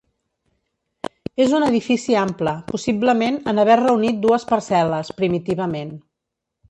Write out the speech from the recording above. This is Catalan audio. És un edifici ample, possiblement en haver reunit dues parcel·les, primitivament.